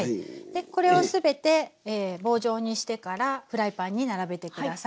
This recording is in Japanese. これを全て棒状にしてからフライパンに並べて下さい。